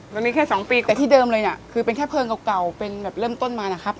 ตอนนี้แค่๒ปีแต่ที่เดิมเลยเนี่ยคือเป็นแค่เพลิงเก่าเป็นแบบเริ่มต้นมานะครับ